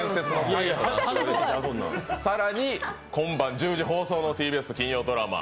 更に今晩１０時放送のＴＢＳ金曜ドラマ。